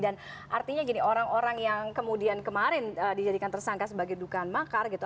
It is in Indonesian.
dan artinya gini orang orang yang kemudian kemarin dijadikan tersangka sebagai dukaan makar gitu